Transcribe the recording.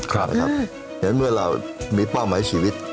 ครับนะครับเหมือนเมื่อเรามีเป้าหมายชีวิต